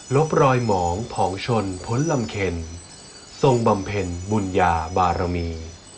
บรอยหมองผองชนพ้นลำเคนทรงบำเพ็ญบุญญาบารมี